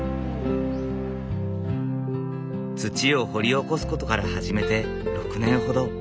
土を掘り起こすことから始めて６年ほど。